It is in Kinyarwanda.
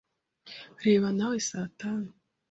Reba nawe saa tanu.